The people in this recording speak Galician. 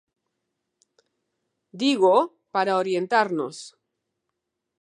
Dígoo para orientarnos.